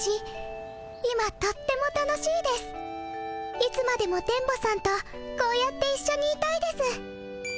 いつまでも電ボさんとこうやっていっしょにいたいです。